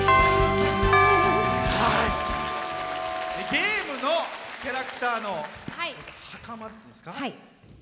ゲームのキャラクターのはかまですか。